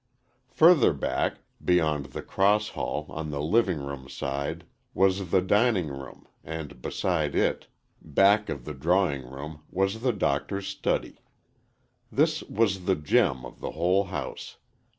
Further back, beyond the cross hall, on the living room side, was the dining room, and beside it, back of the drawing room was the Doctor's study. This was the gem of the whole house.